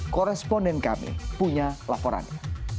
korresponden kami punya laporannya